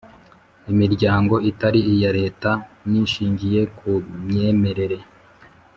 imiryango itari iya Leta n ishingiye ku myemerere